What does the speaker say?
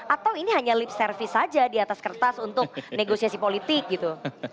atau ini hanya lip service saja di atas kertas untuk negosiasi politik gitu